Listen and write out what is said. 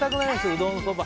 うどん、そば。